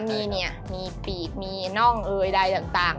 มีเนี่ยมีปีกมีนองแอดอายาต่าง